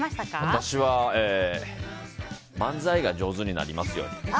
私は漫才が上手になりますように。